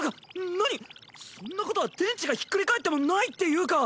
何⁉そんなことは天地がひっくり返ってもないっていうか。